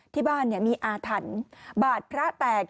ที่บ้านมีอาถรรพ์บาดพระแตก